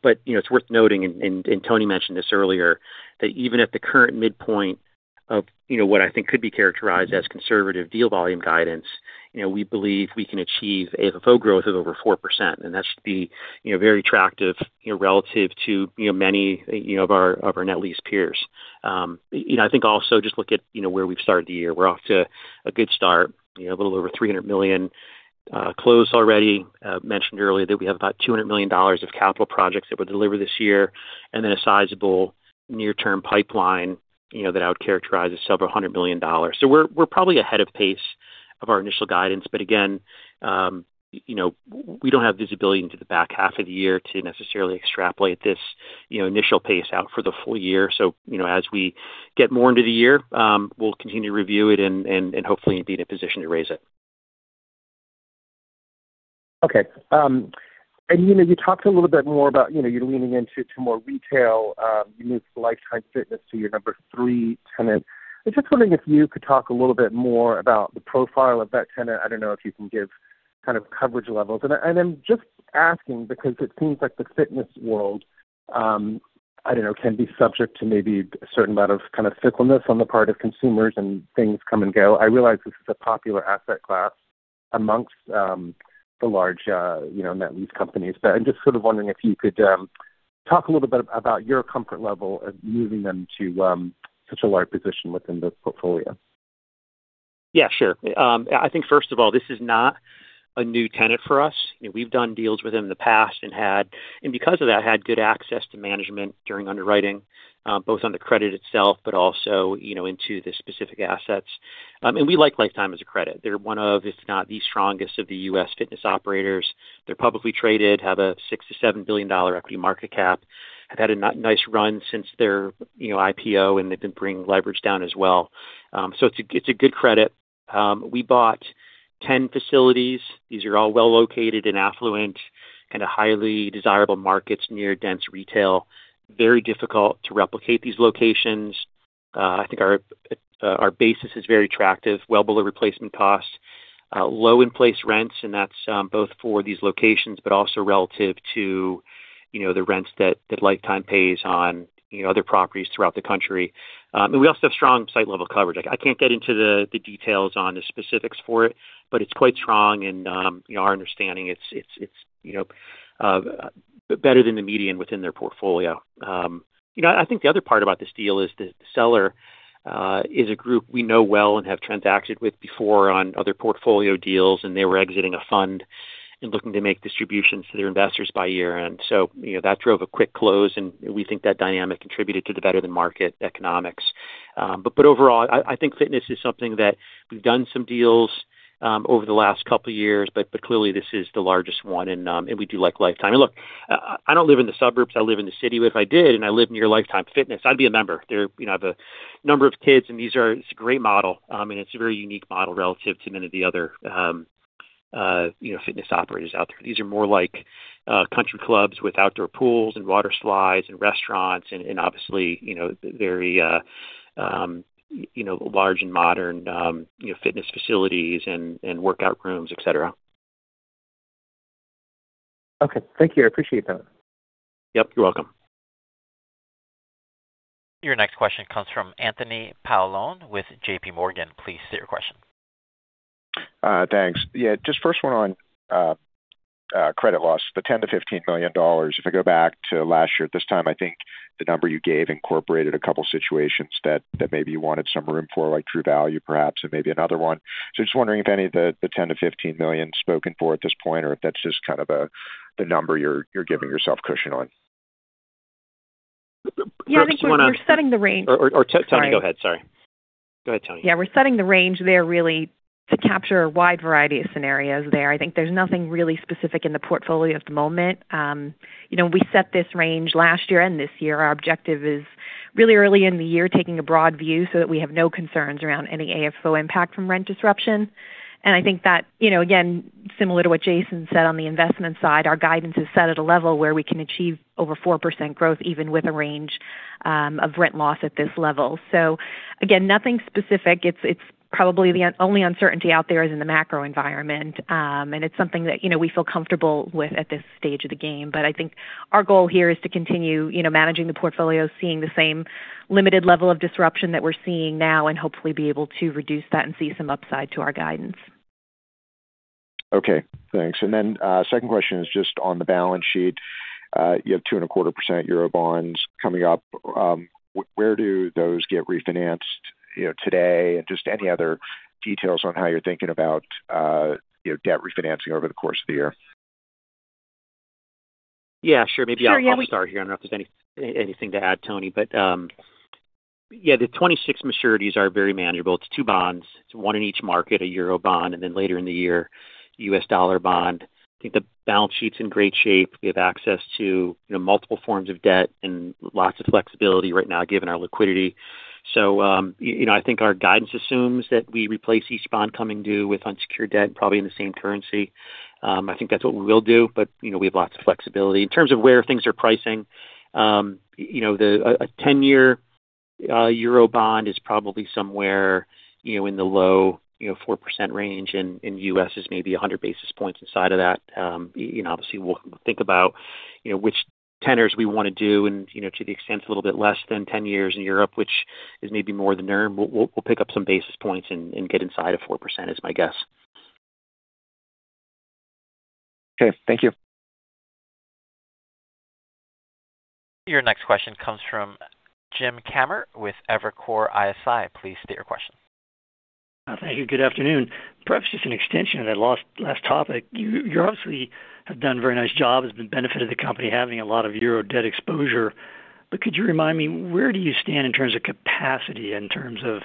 But it's worth noting, and Toni mentioned this earlier, that even at the current midpoint of what I think could be characterized as conservative deal volume guidance, we believe we can achieve AFFO growth of over 4% and that should be very attractive relative to many of our net lease peers. I think also just look at where we've started the year. We're off to a good start, a little over $300 million closed already. Mentioned earlier that we have about $200 million of capital projects that were delivered this year and then a sizable near-term pipeline that I would characterize as several hundred million dollars. So we're probably ahead of pace of our initial guidance but again we don't have visibility into the back half of the year to necessarily extrapolate this initial pace out for the full year. So as we get more into the year we'll continue to review it and hopefully be in a position to raise it. Okay. And you talked a little bit more about you're leaning into more retail. You moved Life Time to your number three tenant. I'm just wondering if you could talk a little bit more about the profile of that tenant. I don't know if you can give kind of coverage levels. And I'm just asking because it seems like the fitness world I don't know can be subject to maybe a certain amount of kind of fickleness on the part of consumers and things come and go. I realize this is a popular asset class among the large net lease companies, but I'm just sort of wondering if you could talk a little bit about your comfort level of moving them to such a large position within the portfolio. Yeah, sure. I think first of all this is not a new tenant for us. We've done deals with them in the past and because of that had good access to management during underwriting both on the credit itself but also into the specific assets. We like Life Time as a credit. They're one of if not the strongest of the U.S. fitness operators. They're publicly traded. Have a $6 billion-$7 billion equity market cap. Have had a nice run since their IPO and they've been bringing leverage down as well. So it's a good credit. We bought 10 facilities. These are all well located in affluent kind of highly desirable markets near dense retail. Very difficult to replicate these locations. I think our basis is very attractive. Well below replacement costs. Low in-place rents and that's both for these locations but also relative to the rents that Life Time pays on other properties throughout the country. We also have strong site-level coverage. I can't get into the details on the specifics for it, but it's quite strong and our understanding it's better than the median within their portfolio. I think the other part about this deal is the seller is a group we know well and have transacted with before on other portfolio deals and they were exiting a fund and looking to make distributions to their investors by year-end. That drove a quick close and we think that dynamic contributed to the better-than-market economics. Overall I think fitness is something that we've done some deals over the last couple of years but clearly this is the largest one and we do like Life Time. Look, I don't live in the suburbs. I live in the city. But if I did and I lived near Life Time, I'd be a member. I have a number of kids and it's a great model and it's a very unique model relative to many of the other fitness operators out there. These are more like country clubs with outdoor pools and water slides and restaurants and obviously very large and modern fitness facilities and workout rooms, etc. Okay. Thank you. I appreciate that. Yep. You're welcome. Your next question comes from Anthony Paolone with JPMorgan. Please state your question. Thanks. Yeah. Just the first one on credit loss. The $10 million-$15 million, if I go back to last year at this time, I think the number you gave incorporated a couple of situations that maybe you wanted some room for, like True Value perhaps and maybe another one. So just wondering if any of the $10 million-$15 million is spoken for at this point or if that's just kind of the number you're giving yourself cushion on. Yeah, I think we're setting the range. Or, Toni. Go ahead. Sorry. Go ahead, Toni. Yeah. We're setting the range there really to capture a wide variety of scenarios there. I think there's nothing really specific in the portfolio at the moment. We set this range last year and this year. Our objective is really early in the year taking a broad view so that we have no concerns around any AFFO impact from rent disruption. I think that again similar to what Jason said on the investment side our guidance is set at a level where we can achieve over 4% growth even with a range of rent loss at this level. So again nothing specific. It's probably the only uncertainty out there is in the macro environment and it's something that we feel comfortable with at this stage of the game. But I think our goal here is to continue managing the portfolio seeing the same limited level of disruption that we're seeing now and hopefully be able to reduce that and see some upside to our guidance. Okay. Thanks. And then second question is just on the balance sheet. You have 2.25% Eurobonds coming up. Where do those get refinanced today and just any other details on how you're thinking about debt refinancing over the course of the year? Yeah, sure. Maybe I'll start here. I don't know if there's anything to add, Toni, but yeah, the 2026 maturities are very manageable. It's two bonds. It's one in each market, a Eurobond and then later in the year U.S. dollar bond. I think the balance sheet's in great shape. We have access to multiple forms of debt and lots of flexibility right now given our liquidity. So I think our guidance assumes that we replace each bond coming due with unsecured debt probably in the same currency. I think that's what we will do, but we have lots of flexibility. In terms of where things are pricing, a 10-year Eurobond is probably somewhere in the low 4% range and U.S. is maybe 100 basis points inside of that. Obviously, we'll think about which tenors we want to do, and to the extent it's a little bit less than 10 years in Europe, which is maybe more the norm, we'll pick up some basis points and get inside of 4%, is my guess. Okay. Thank you. Your next question comes from Jim Kammert with Evercore ISI. Please state your question. Thank you. Good afternoon. Perhaps just an extension of that last topic. You obviously have done a very nice job. It's been a benefit of the company having a lot of Euro debt exposure, but could you remind me where do you stand in terms of capacity in terms of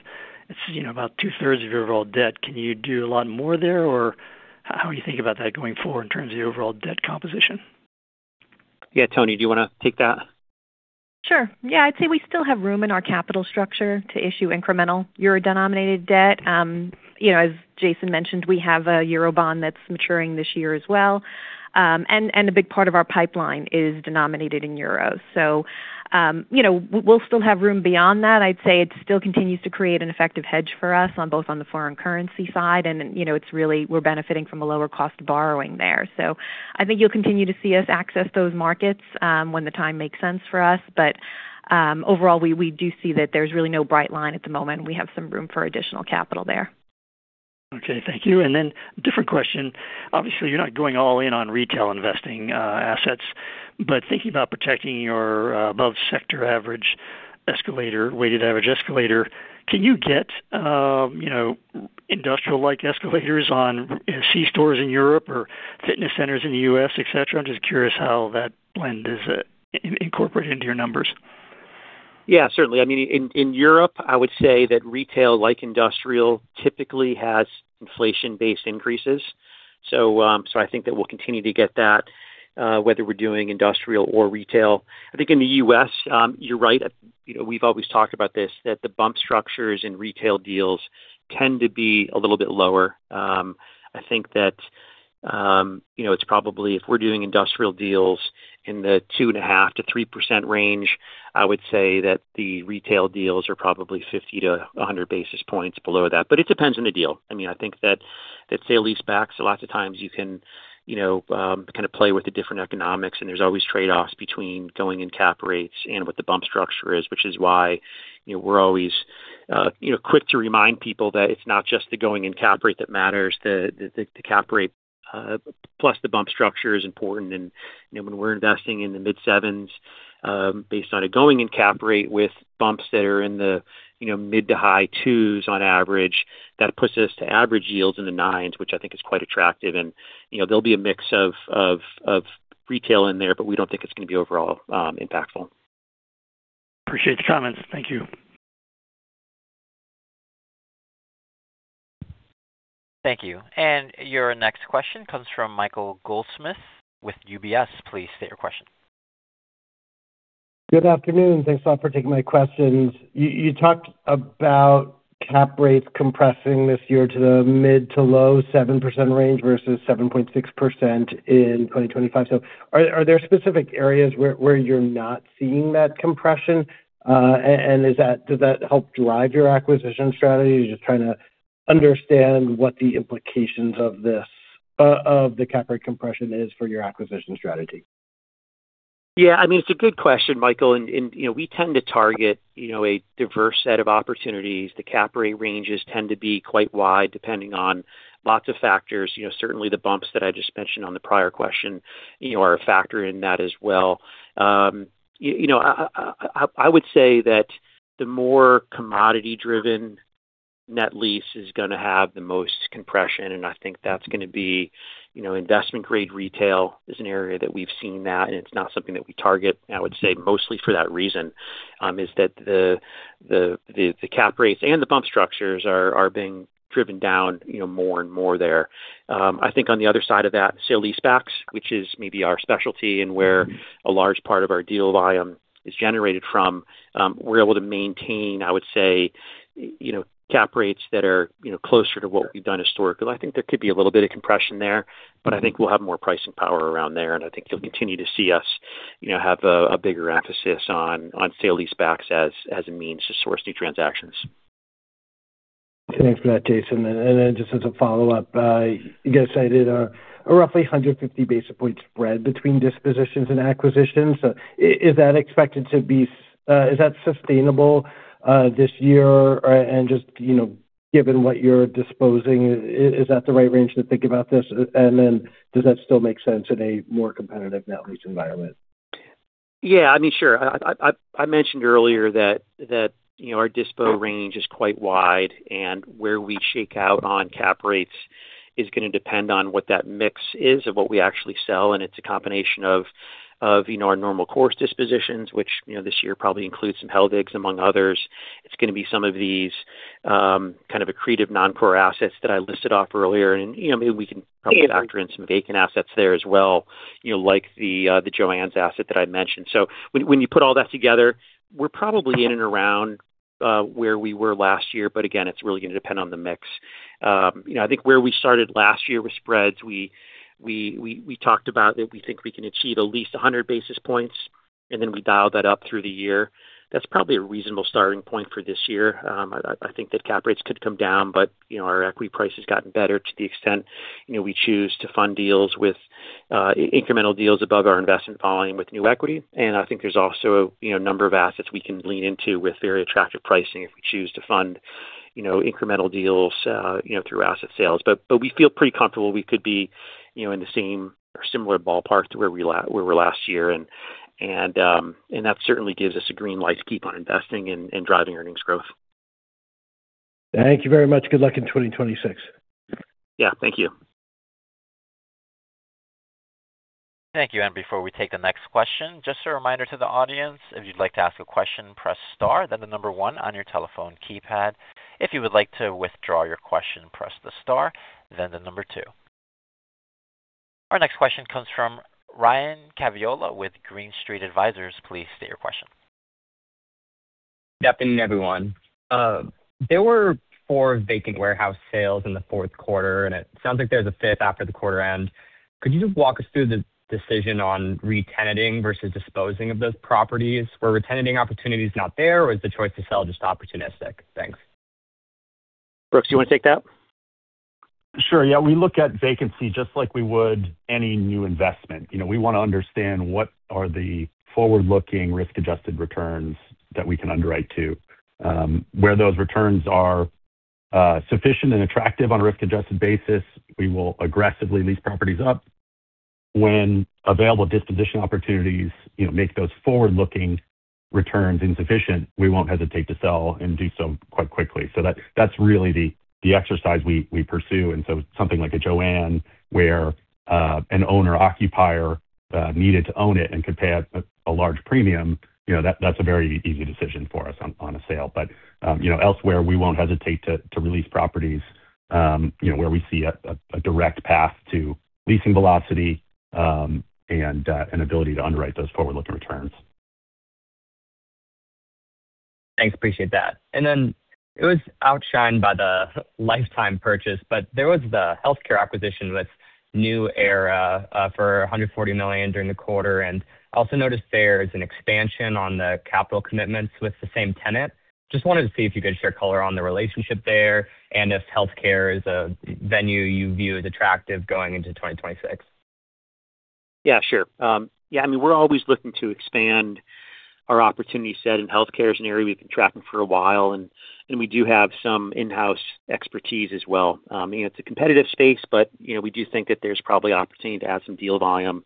it's about two thirds of your overall debt. Can you do a lot more there or how do you think about that going forward in terms of the overall debt composition? Yeah, Toni. Do you want to take that? Sure. Yeah. I'd say we still have room in our capital structure to issue incremental Euro-denominated debt. As Jason mentioned, we have a Eurobond that's maturing this year as well, and a big part of our pipeline is denominated in Euros. So we'll still have room beyond that. I'd say it still continues to create an effective hedge for us both on the foreign currency side, and it's really, we're benefiting from a lower-cost borrowing there. So I think you'll continue to see us access those markets when the time makes sense for us, but overall we do see that there's really no bright line at the moment. We have some room for additional capital there. Okay. Thank you. Then different question. Obviously you're not going all in on retail investing assets but thinking about protecting your above sector average escalator weighted average escalator can you get industrial like escalators on C-stores in Europe or fitness centers in the U.S. etc. I'm just curious how that blend is incorporated into your numbers. Yeah, certainly. I mean, in Europe I would say that retail like industrial typically has inflation-based increases. So I think that we'll continue to get that whether we're doing industrial or retail. I think in the U.S. you're right. We've always talked about this that the bump structures in retail deals tend to be a little bit lower. I think that it's probably if we're doing industrial deals in the 2.5%-3% range I would say that the retail deals are probably 50 basis points-100 basis points below that but it depends on the deal. I mean, I think that sale-leasebacks a lot of times you can kind of play with the different economics, and there's always trade-offs between going-in cap rates and what the bump structure is, which is why we're always quick to remind people that it's not just the going-in cap rate that matters. The cap rate plus the bump structure is important, and when we're investing in the mid-7s based on a going-in cap rate with bumps that are in the mid- to high-2s on average, that puts us to average yields in the 9s, which I think is quite attractive, and there'll be a mix of retail in there, but we don't think it's going to be overall impactful. Appreciate the comments. Thank you. Thank you. And your next question comes from Michael Goldsmith with UBS. Please state your question. Good afternoon. Thanks a lot for taking my questions. You talked about cap rates compressing this year to the mid- to low-7% range versus 7.6% in 2025. So are there specific areas where you're not seeing that compression and does that help drive your acquisition strategy? Just trying to understand what the implications of the cap rate compression is for your acquisition strategy? Yeah. I mean it's a good question Michael and we tend to target a diverse set of opportunities. The cap rate ranges tend to be quite wide depending on lots of factors. Certainly the bumps that I just mentioned on the prior question are a factor in that as well. I would say that the more commodity driven net lease is going to have the most compression and I think that's going to be investment grade retail is an area that we've seen that and it's not something that we target. I would say mostly for that reason is that the cap rates and the bump structures are being driven down more and more there. I think on the other side of that sale-leasebacks, which is maybe our specialty and where a large part of our deal volume is generated from, we're able to maintain, I would say, cap rates that are closer to what we've done historically. I think there could be a little bit of compression there, but I think we'll have more pricing power around there, and I think you'll continue to see us have a bigger emphasis on sale-leasebacks as a means to source new transactions. Thanks for that, Jason. And then just as a follow-up, you guys cited a roughly 150 basis points spread between dispositions and acquisitions. Is that expected to be sustainable this year and just given what you're disposing is that the right range to think about this and then does that still make sense in a more competitive net lease environment? Yeah. I mean sure. I mentioned earlier that our dispo range is quite wide and where we shake out on cap rates is going to depend on what that mix is of what we actually sell and it's a combination of our normal course dispositions which this year probably includes some Hellweg among others. It's going to be some of these kind of accretive non-core assets that I listed off earlier and maybe we can probably factor in some vacant assets there as well like the JOANN's asset that I mentioned. So when you put all that together we're probably in and around where we were last year but again it's really going to depend on the mix. I think where we started last year with spreads we talked about that we think we can achieve at least 100 basis points and then we dial that up through the year. That's probably a reasonable starting point for this year. I think that cap rates could come down but our equity price has gotten better to the extent we choose to fund deals with incremental deals above our investment volume with new equity. I think there's also a number of assets we can lean into with very attractive pricing if we choose to fund incremental deals through asset sales. We feel pretty comfortable we could be in the same or similar ballpark to where we were last year and that certainly gives us a green light to keep on investing and driving earnings growth. Thank you very much. Good luck in 2026. Yeah. Thank you. Thank you. Before we take the next question, just a reminder to the audience: if you'd like to ask a question, press star then one on your telephone keypad. If you would like to withdraw your question, press the star then the number two. Our next question comes from Ryan Caviola with Green Street Advisors. Please state your question. Good afternoon everyone. There were four vacant warehouse sales in the fourth quarter and it sounds like there's a fifth after the quarter end. Could you walk us through the decision on re-tenanting versus disposing of those properties? Were retention opportunities not there or is the choice to sell just opportunistic? Thanks. Brooks, do you want to take that? Sure. Yeah. We look at vacancy just like we would any new investment. We want to understand what are the forward looking risk adjusted returns that we can underwrite to. Where those returns are sufficient and attractive on a risk adjusted basis we will aggressively lease properties up. When available disposition opportunities make those forward looking returns insufficient we won't hesitate to sell and do so quite quickly. So that's really the exercise we pursue. And so something like a JOANN where an owner occupier needed to own it and could pay a large premium that's a very easy decision for us on a sale. But elsewhere we won't hesitate to release properties where we see a direct path to leasing velocity and an ability to underwrite those forward looking returns. Thanks. Appreciate that. Then it was outshined by the Life Time purchase but there was the healthcare acquisition with NewEra for $140 million during the quarter and I also noticed there is an expansion on the capital commitments with the same tenant. Just wanted to see if you could share color on the relationship there and if healthcare is a venue you view as attractive going into 2026. Yeah, sure. Yeah. I mean, we're always looking to expand our opportunity set. Healthcare is an area we've been tracking for a while, and we do have some in-house expertise as well. It's a competitive space, but we do think that there's probably opportunity to add some deal volume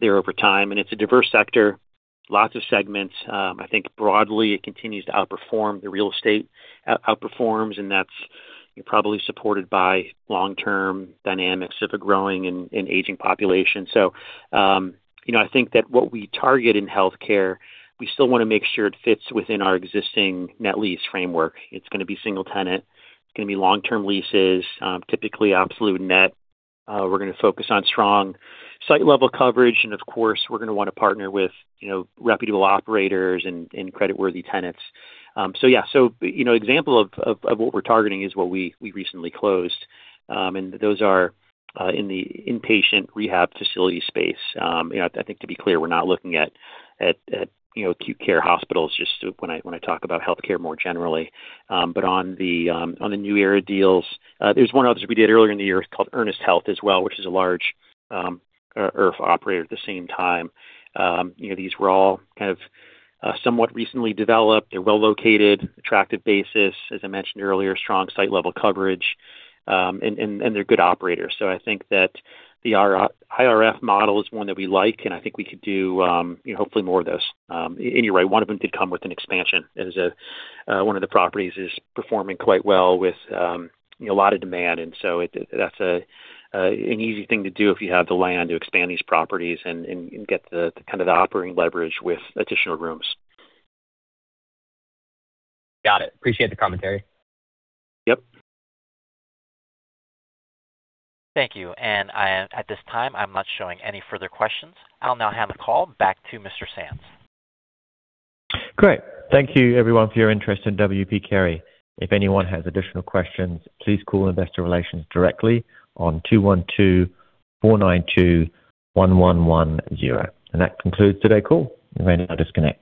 there over time, and it's a diverse sector, lots of segments. I think broadly it continues to outperform. The real estate outperforms, and that's probably supported by long-term dynamics of a growing and aging population. So, I think that what we target in healthcare, we still want to make sure it fits within our existing net lease framework. It's going to be single-tenant. It's going to be long-term leases, typically absolute net. We're going to focus on strong site level coverage and of course we're going to want to partner with reputable operators and credit worthy tenants. So yeah. So example of what we're targeting is what we recently closed and those are in the inpatient rehab facility space. I think to be clear we're not looking at acute care hospitals just when I talk about healthcare more generally but on the NewEra deals there's one others we did earlier in the year called Ernest Health as well which is a large IRF operator at the same time. These were all kind of somewhat recently developed. They're well located attractive basis as I mentioned earlier strong site level coverage and they're good operators. So I think that the IRF model is one that we like and I think we could do hopefully more of those. And you're right. One of them did come with an expansion as one of the properties is performing quite well with a lot of demand and so that's an easy thing to do if you have the land to expand these properties and get the kind of the operating leverage with additional rooms. Got it. Appreciate the commentary. Yep. Thank you. At this time I'm not showing any further questions. I'll now hand the call back to Mr. Sands. Great. Thank you everyone for your interest in W. P. Carey. If anyone has additional questions please call Investor Relations directly on (212) 492-1100. That concludes today's call. You may now disconnect.